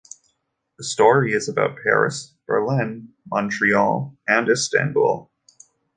The story is about Paris, Berlin, Montreal and Istanbul.